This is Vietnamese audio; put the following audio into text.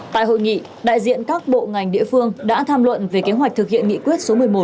tại hội nghị đại diện các bộ ngành địa phương đã tham luận về kế hoạch thực hiện nghị quyết số một mươi một